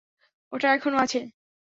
ওটা এখনও আছে?